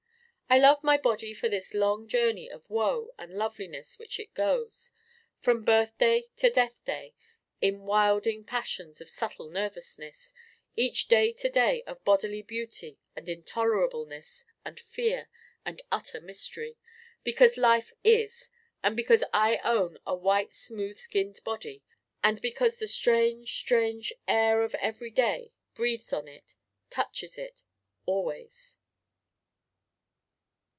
I love my Body for this long journey of woe and loveliness which it goes, from Birthday to Death day, in wilding passions of subtle nervousness: each day a day of bodily beauty and intolerableness and fear and utter mystery: because life is, and because I own a white smooth skinned Body, and because the strange, strange Air of Everyday breathes on it touches it always!